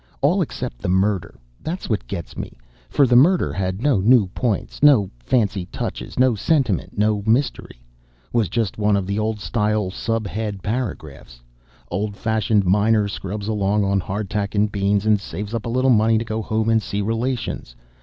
All except the murder. THAT'S what gets me, for the murder had no new points, no fancy touches, no sentiment, no mystery. Was just one of the old style, 'sub head' paragraphs. Old fashioned miner scrubs along on hardtack and beans, and saves up a little money to go home and see relations.